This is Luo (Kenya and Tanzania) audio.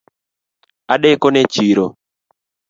Adekone chiro